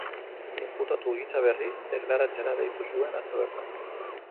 Inputatu gisa berriz deklaratzera deitu zuen atzo bertan.